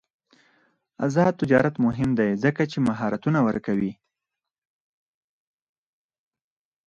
آزاد تجارت مهم دی ځکه چې مهارتونه ورکوي.